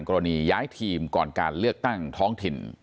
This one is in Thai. กรณีย้ายทีมก่อนการเลือกตั้งท้องถิ่น